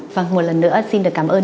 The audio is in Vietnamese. và một lần nữa xin được cảm ơn